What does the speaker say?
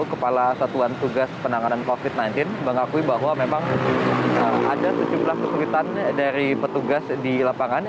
kepala satuan tugas penanganan covid sembilan belas mengakui bahwa memang ada sejumlah kesulitan dari petugas di lapangan